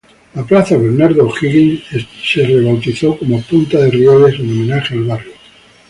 La Plaza Bernardo O´Higgins es rebautizada como Punta de Rieles, en homenaje al barrio.